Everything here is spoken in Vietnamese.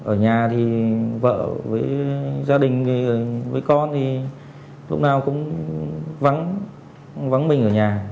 ở nhà thì vợ với gia đình với con thì lúc nào cũng vắng mình ở nhà